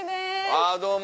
あぁどうも。